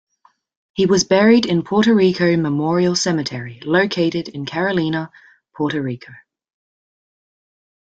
He was buried in Puerto Rico Memorial Cemetery located in Carolina, Puerto Rico.